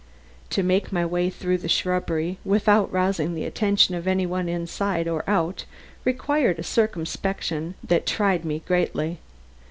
To make my way through the shrubbery without rousing the attention of any one inside or out required a circumspection that tried me greatly.